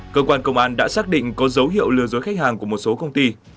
cơ quan công an đã xác định có dấu hiệu lừa dối khách hàng của một số công ty